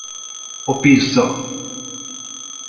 A Pizza...!